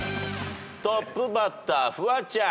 トップバッターフワちゃん。